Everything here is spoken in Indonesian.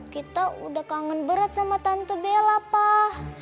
kita udah kangen berat sama tante bella pak